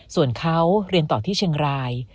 ส่วนเขาเรียนต่อที่เชียงราย